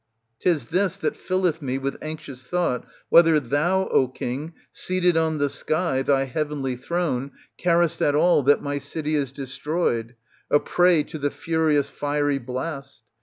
Tis this that filleth me with anxious thought whether thou, O king, seated on the sky, thy heavenly throne, carest at all that my city is de stroyed, a prey to the furious fiery blast.